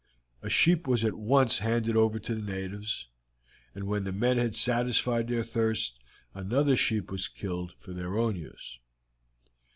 A sheep was at once handed over to the natives, and when the men had satisfied their thirst another sheep was killed for their own use.